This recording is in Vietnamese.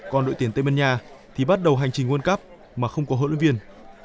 còn đội tuyển tây ban nha thì bắt đầu hành trình world cup mà không có huấn luyện viên